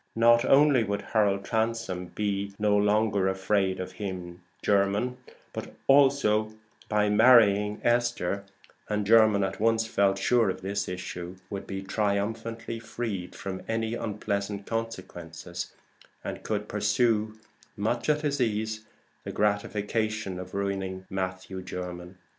Not only would Harold Transome be no longer afraid of him, but also, by marrying Esther (and Jermyn at once felt sure of this issue), would be triumphantly freed from any unpleasant consequences, and could pursue much at his ease the gratification of ruining Matthew Jermyn.